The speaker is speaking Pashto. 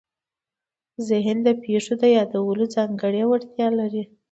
ذهن د پېښو د یادولو ځانګړې وړتیا لري.